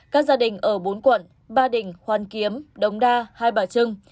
các gia đình ở bốn quận ba đỉnh hoàn kiếm đồng đa hai bà trưng